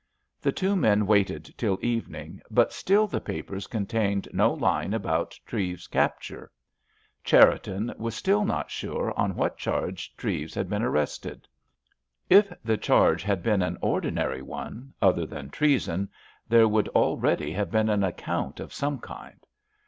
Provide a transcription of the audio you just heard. The two men waited till evening, but still the papers contained no line about Treves's capture. Cherriton was still not sure on what charge Treves had been arrested. If the charge had been an ordinary one, other than treason, there would already have been an account of some kind.